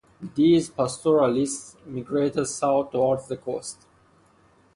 These pastoralists migrated south towards the coast.